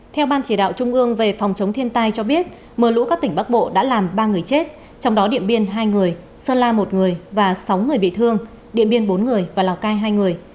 theo ban chỉ đạo trung ương về phòng chống thiên tai cho biết mưa lũ các tỉnh bắc bộ đã làm ba người chết trong đó điện biên hai người sơn la một người và sáu người bị thương điện biên bốn người và lào cai hai người